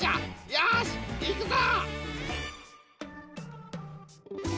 よしいくぞ！